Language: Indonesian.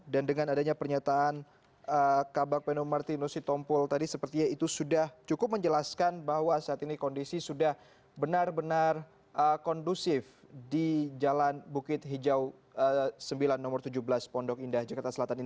dan dengan adanya pernyataan kabak penuh martinus sitompul tadi sepertinya itu sudah cukup menjelaskan bahwa saat ini kondisi sudah benar benar kondusif di jalan bukit hijau sembilan nomor tujuh belas pondok